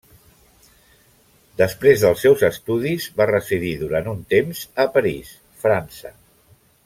Després dels seus estudis va residir durant un temps a París, França.